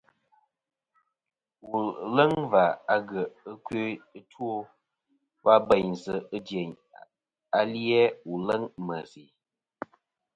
Wùl ɨ̀ leŋ và agyèʼ ɨkœ ɨ two wa bèynsɨ dyèyn ali-a wù leŋ ɨ̀ mèsì.